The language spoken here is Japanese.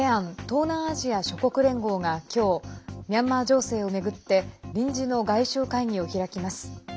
ＡＳＥＡＮ＝東南アジア諸国連合が今日、ミャンマー情勢を巡って臨時の外相会議を開きます。